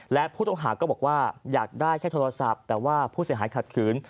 และผู้ต้องหาก็บอกว่าอยากได้แค่โทรศัพท์แต่ว่าผู้เสียหายขัดขืน